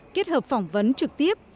kết hợp phỏng vấn trực tiếp